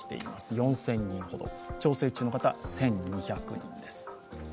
４０００人ほど、調整中の方、約１２００人です。